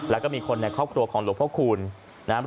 แล้วก็มีคนในครอบครัวของหลวงพระคูณนะครับ